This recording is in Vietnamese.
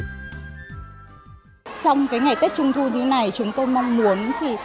trong cái ngày tết trung thu như thế này chúng tôi mong muốn thì